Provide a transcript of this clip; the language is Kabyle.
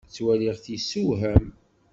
Ttwaliɣ-t yessewham.